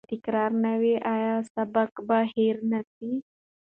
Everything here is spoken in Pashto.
که تکرار نه وي، آیا سبق به هیر نه سی؟